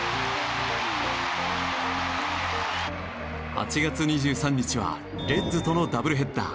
８月２３日はレッズとのダブルヘッダー。